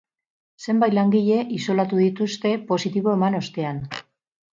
Zenbait langile isolatu dituzte, positibo eman ostean.